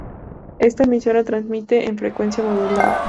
Esta emisora transmite en frecuencia modulada.